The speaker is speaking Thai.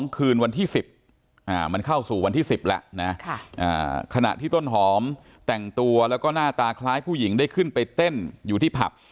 คืนวันที่๑๐มันเข้าสู่วันที่๑๐แล้วนะขณะที่ต้นหอมแต่งตัวแล้วก็หน้าตาคล้ายผู้หญิงได้ขึ้นไปเต้นอยู่ที่ผับ